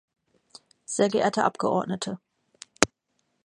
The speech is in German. Sehr geehrte Abgeordnete!